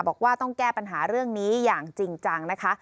บอกว่าต้องแก้ปัญหาเรื่องนี้อย่างจริงจังนะคะ